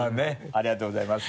ありがとうございます。